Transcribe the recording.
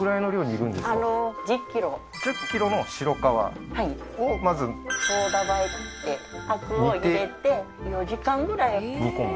１０ｋｇの白皮をまずソーダ灰ってアクを入れて４時間ぐらい煮込む？